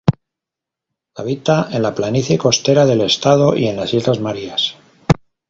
Habita en la planicie costera del estado y en las islas Marías.